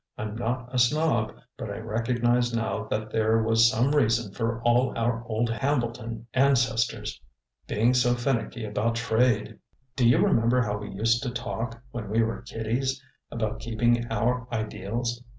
I'm not a snob, but I recognize now that there was some reason for all our old Hambleton ancestors being so finicky about trade. "Do you remember how we used to talk, when we were kiddies, about keeping our ideals?